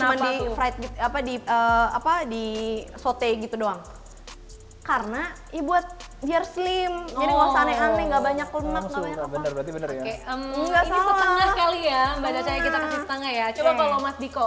banyak apa apa bener bener ya enggak salah kali ya kita kasih setengah ya coba kalau mas diko